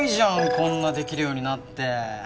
こんなできるようになって。